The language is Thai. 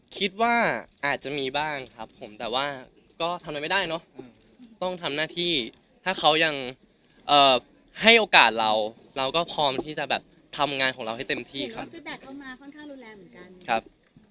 คิดว่าอาจจะมีบ้างครับผมแต่ว่าก็ทำไม่ได้เนาะต้องทำหน้าที่ถ้าเขายังให้โอกาสเราเราก็พร้อมที่จะแบบทำงานของเราให้เต็มที่ครับ